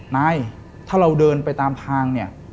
นายถ้าเราเดินไปตามทางเนี่ย